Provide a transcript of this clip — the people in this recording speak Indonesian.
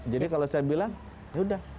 jadi kalau saya bilang ya sudah